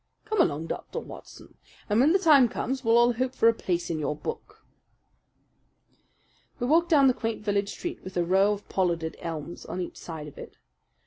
"Come along, Dr. Watson, and when the time comes we'll all hope for a place in your book." We walked down the quaint village street with a row of pollarded elms on each side of it.